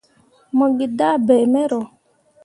Mo gi dah bai mero.